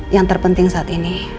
yang terpenting saat ini